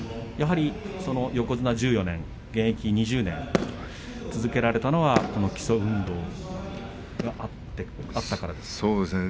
横綱１４年、現役２０年続けられたのはこの基礎運動があったからですね。